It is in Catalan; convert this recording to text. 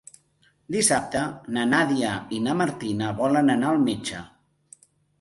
Dissabte na Nàdia i na Martina volen anar al metge.